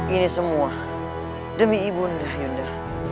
ini semua demi ibu anda yunda